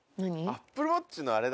アップルウォッチのあれだ。